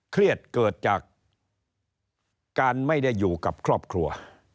เครียดเกิดจากการไม่ได้อยู่กับครอบครัว